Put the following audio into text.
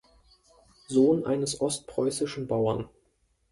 Sohn eines ostpreußischen Bauern.